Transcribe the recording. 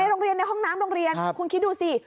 โรงเรียนในห้องน้ำโรงเรียนคุณคิดดูสิ